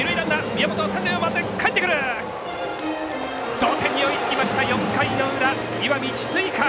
同点に追いつきました４回の裏、石見智翠館。